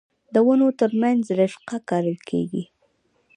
د ونو ترمنځ رشقه کرل کیږي.